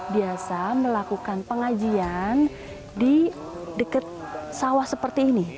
biasa melakukan pengajian di dekat sawah seperti ini